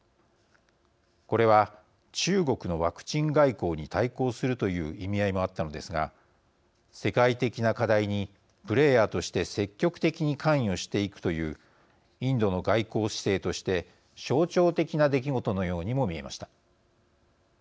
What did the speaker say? これは、中国のワクチン外交に対抗するという意味合いもあったのですが世界的な課題にプレーヤーとして積極的に関与していくというインドの外交姿勢として象徴的な出来事のようにも見えました。